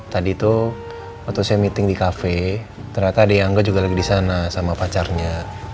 tadi tuh waktu saya meeting di cafe ternyata adeknya angga juga lagi disana sama pacarnya